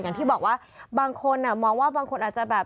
อย่างที่บอกว่าบางคนมองว่าบางคนอาจจะแบบ